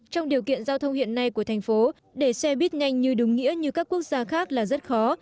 trong điều kiện giao thông hiện nay của thành phố để xe buýt nhanh như đúng nghĩa như các quốc gia khác là rất khó